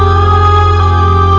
rakyat yang ke lalu